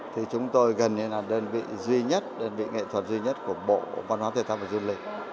thì chúng tôi gần như là đơn vị duy nhất đơn vị nghệ thuật duy nhất của bộ văn hóa thể thao và du lịch